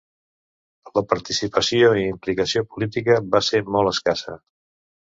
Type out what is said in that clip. La participació i implicació política va ser molt escassa.